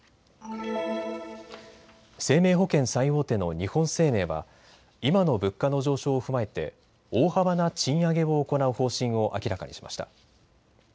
生命保険最大手の日本生命は今の物価の上昇を踏まえて大幅な賃上げを行う方針を明らかにしました。